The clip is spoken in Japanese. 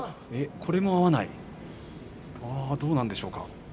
これも合わないどうなんでしょうか。